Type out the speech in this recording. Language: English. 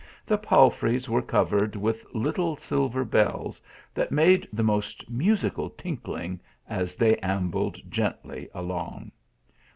The palfreys were covered with little silver bells that made the most musical tinkling as they ainbk*d gently along.